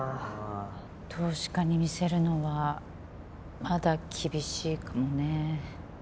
投資家に見せるのはまだ厳しいかもね。